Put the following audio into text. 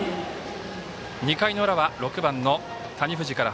２回の裏は６番の谷藤から。